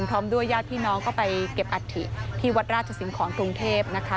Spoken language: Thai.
พร้อมด้วยญาติพี่น้องก็ไปเก็บอัฐิที่วัดราชสิงหอนกรุงเทพนะคะ